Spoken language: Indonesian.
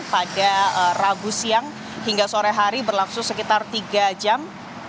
pada rabu siang hingga sore hari berlangsung sekitar tiga jam